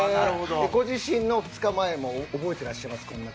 ご自身の２日前も覚えていらっしゃいますか？